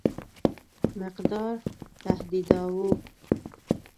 مقدار تهدیداوه.